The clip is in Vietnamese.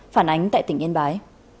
phản ánh tại tỉnh yên bái